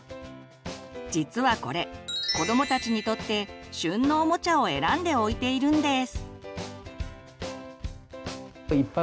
実はこれ子どもたちにとって「旬のおもちゃ」を選んで置いているんです。